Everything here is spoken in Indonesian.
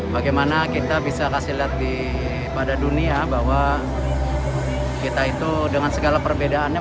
bagaimana kita bisa kasih lihat pada dunia bahwa kita itu dengan segala perbedaannya